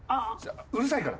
うるさいから。